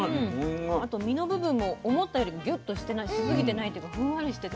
あと身の部分も思ったよりもギュッとしてないしすぎてないというかふんわりしてて。